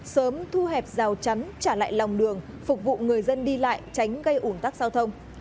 sớm thu hẹp rào chắn trả lại lòng đường phục vụ người dân đi lại tránh gây ủn tắc giao thông